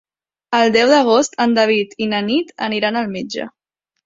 El deu d'agost en David i na Nit aniran al metge.